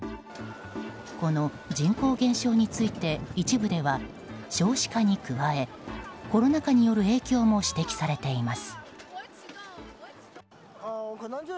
この人口減少について一部では少子化に加えコロナ禍による影響も指摘されています。